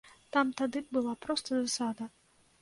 Там тады была проста засада.